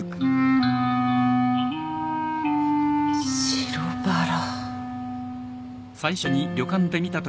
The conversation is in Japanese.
白バラ。